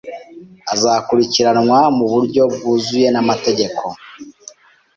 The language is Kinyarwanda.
Azakurikiranwa mu buryo bwuzuye n'amategeko.